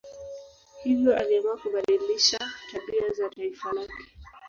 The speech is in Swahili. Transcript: Hivyo aliamua kubadilisha tabia za taifa lake.